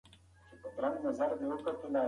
ناهیلي زړه د ژوند ستونزې نه شي حل کولی.